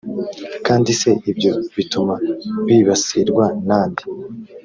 kandi se ibyo bituma bibasirwa na nde ?